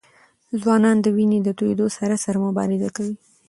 ځوانان د وینې د تویېدو سره سره مبارزه کوي.